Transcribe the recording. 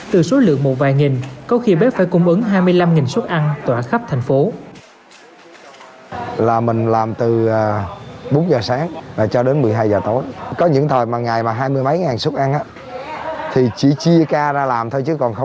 từ số lượng một vài nghìn có khi bếp phải cung ứng hai mươi năm suất ăn tỏa khắp thành phố